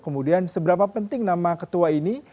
kemudian seberapa penting nama ketua ini